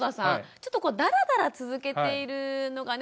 ちょっとダラダラ続けているのがね